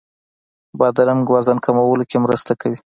بادرنګ وزن کمولو کې مرسته کوي.